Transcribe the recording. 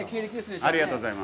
ありがとうございます。